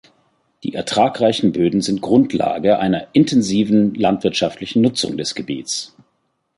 Die ertragreichen Böden sind Grundlage einer intensiven landwirtschaftlichen Nutzung des Gebiets.